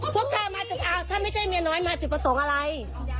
พวกแกมาจากอ่ะถ้าไม่ใช่เมียน้อยมาจากประสงค์อะไร